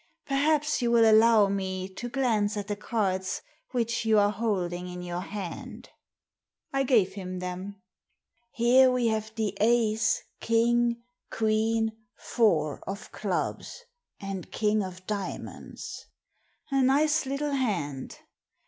Perhaps you will allow me to glance at the cards which you are holding in your hand?" I gave him them. '* Here we have the ace, king, queen, four of clubs, and king of diamonds. A nice little hand.